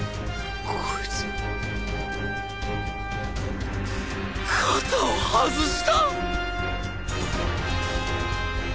こいつ肩を外した！？